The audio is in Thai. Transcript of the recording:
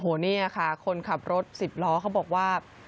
โอ้โหนี่ค่ะคนขับรถสิบล้อเขาบอกว่า